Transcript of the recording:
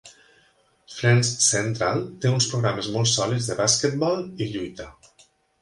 Friends' Central té uns programes molt sòlids de basquetbol i lluita.